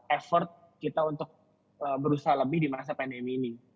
effort kita untuk berusaha lebih di masa pandemi ini